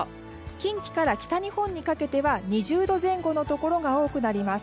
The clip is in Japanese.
近畿から北日本にかけては２０度前後のところが多くなります。